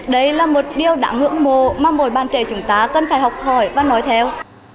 đấy là một điều đã ngưỡng mộ mà mỗi bạn trẻ chúng ta cần phải học hỏi và nói theo